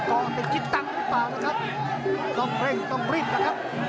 รอบการผ่านไปใช่ต้องเร่งต้องรีบนะครับ